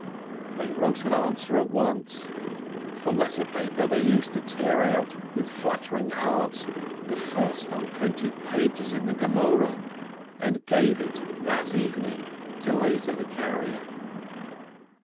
They wrote an answer at once — for letter paper they used to tear out, with fluttering hearts, the first, unprinted pages in the Gemoreh — and gave it that evening to Lezer the carrier.